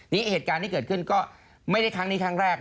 นี่เหตุการณ์ที่เกิดขึ้นก็ไม่ได้ครั้งนี้ครั้งแรก